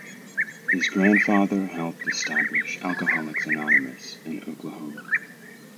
His grandfather helped establish Alcoholics Anonymous in Oklahoma.